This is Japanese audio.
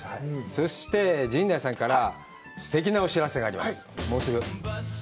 そして、陣内さんからすてきなお知らせがあります。